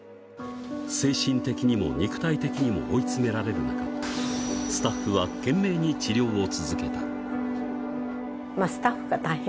精神的にも肉体的にも追い詰められる中、スタッフは懸命に治スタッフが大変。